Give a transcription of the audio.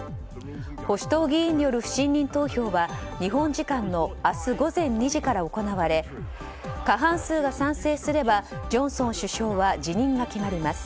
保守党議員による不信任投票は日本時間の明日午前２時から行われ過半数が賛成すればジョンソン首相は辞任が決まります。